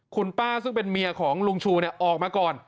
คุณป้าซึ่งเป็นเมียของลุงชูออกมาก่อน